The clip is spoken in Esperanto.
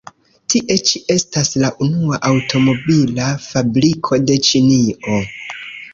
Tie ĉi estas la unua aŭtomobila fabriko de Ĉinio.